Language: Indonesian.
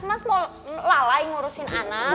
mas mau lalai ngurusin anak